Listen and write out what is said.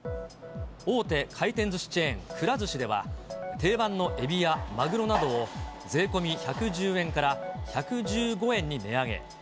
大手回転ずしチェーン、くら寿司では、定番のエビやマグロなどを、税込み１１０円から１１５円に値上げ。